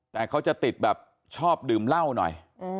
แต่เขาจะติดแบบชอบดื่มเหล้าหน่อย